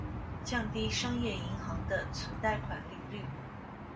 降低商业银行的存贷款利率。